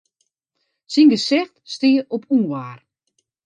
Syn gesicht stie op ûnwaar.